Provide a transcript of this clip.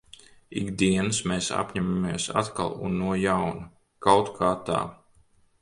Ik dienas mēs apņemamies atkal un no jauna. Kaut kā tā.